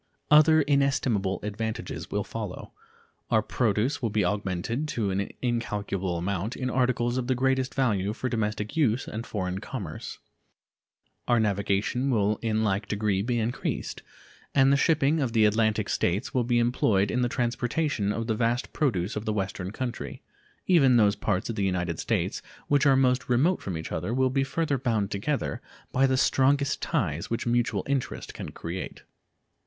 Other inestimable advantages will follow. Our produce will be augmented to an incalculable amount in articles of the greatest value for domestic use and foreign commerce. Our navigation will in like degree be increased, and as the shipping of the Atlantic States will be employed in the transportation of the vast produce of the Western country, even those parts of the United States which are most remote from each other will be further bound together by the strongest ties which mutual interest can create.